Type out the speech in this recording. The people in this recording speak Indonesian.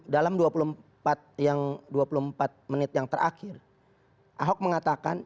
dalam dua puluh empat menit yang terakhir ahok mengatakan